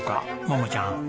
桃ちゃん。